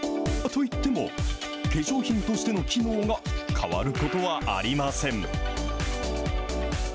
といっても、化粧品としての機能が変わることはありません。